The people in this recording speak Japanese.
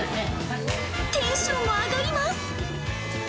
テンションも上がります。